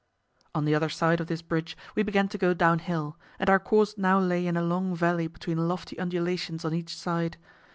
On the other side of this bridge we began to go downhill, and our course now lay in a long valley between lofty undulations on each side.